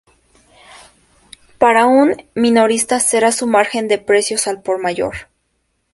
Para un minorista será su margen de precios al por mayor.